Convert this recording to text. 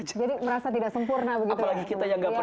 jadi merasa tidak sempurna begitu ya